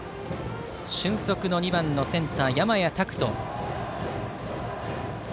俊足の２番のセンター、山家拓人。